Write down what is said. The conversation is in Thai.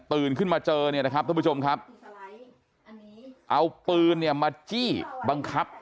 ขึ้นมาเจอเนี่ยนะครับทุกผู้ชมครับเอาปืนเนี่ยมาจี้บังคับ